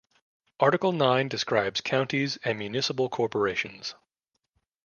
Article Nine describes Counties and Municipal Corporations.